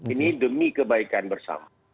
ini demi kebaikan bersama